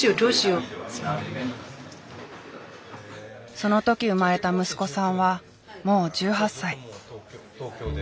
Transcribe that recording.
その時生まれた息子さんはもう１８歳。